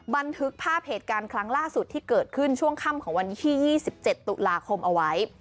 บันทึกภาพเหตุการณ์ครั้งล่าสุดที่เกิดขึ้นช่วงค่ำของวันที่๒๗ตุลาคมเอาไว้